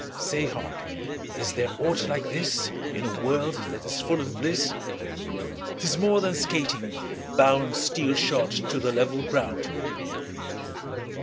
Say, heart, is there aught like this In a world that is full of bliss? 'Tis more than skating, bound 15 Steel shod to the level ground.